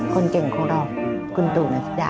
คุณเก่งคนโรคคุณปู่หนังชา